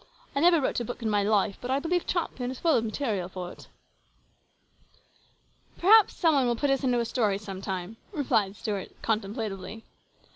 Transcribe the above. " I never wrote a book in my life, but I believe Champion is full of material for it" " Perhaps some one will put us into a story sometime," said Stuart contemplatively.